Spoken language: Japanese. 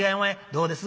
どうです？